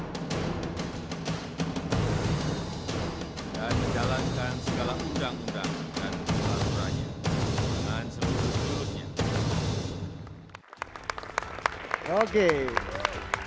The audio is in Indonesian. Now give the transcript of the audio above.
dan menjalankan segala undang undang dan peraturan dengan seluruh keputusannya